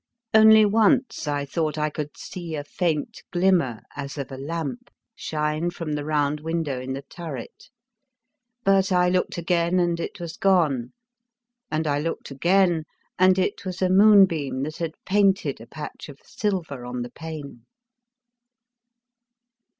Only once I thought I could see a faint glimmer, as of a lamp, shine from the round window in the turret ; but I 28 The Fearsome Island looked again and it was gone, and I looked again and it was a moonbeam that had painted a patch of silver on the pane.